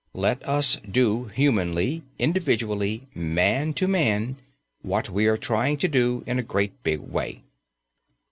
Let us do humanly, individually, man to man, what we are trying to do in a great big way.